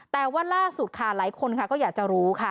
แต่ว่าล่าสุดค่ะหลายคนค่ะก็อยากจะรู้ค่ะ